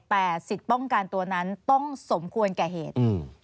แต่สิทธิ์ป้องกันตัวนั้นต้องสมควรแก่เหตุ